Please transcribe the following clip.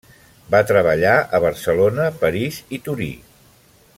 Va treballar a Barcelona, París i Torí.